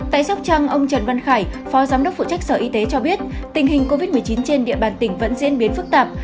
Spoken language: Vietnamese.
tại sóc trăng ông trần văn khải phó giám đốc phụ trách sở y tế cho biết tình hình covid một mươi chín trên địa bàn tỉnh vẫn diễn biến phức tạp